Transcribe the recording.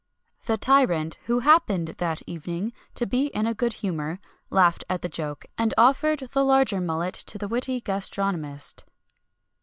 The tyrant, who happened that evening to be in a good humour, laughed at the joke, and offered the larger mullet to the witty gastronomist.